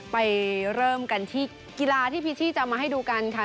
ไปเริ่มกันที่กีฬาที่พิชชี่จะมาให้ดูกันค่ะ